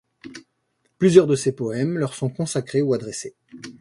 Plusieurs de ses poèmes leur sont consacrés ou adressés.